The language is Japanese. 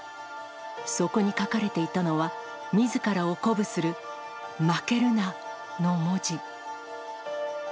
そこに書かれていたのは、みずからを鼓舞する、負けるな！の文字。